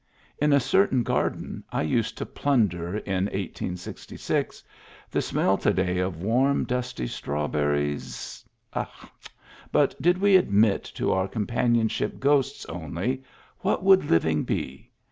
In a certain garden I used to plunder in 1866, the smell to day of warm, dusty straw berries. ... But did we admit to our com panionship ghosts only, what would living be.